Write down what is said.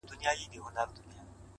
د فرهادي فکر څښتن تاته په تا وايي;